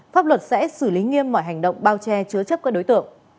pháp luật sẽ xử lý nghiêm mọi hành động bao che chứa chấp các đối tượng